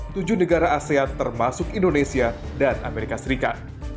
tujuh negara asean termasuk indonesia dan amerika serikat